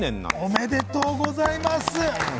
おめでとうございます！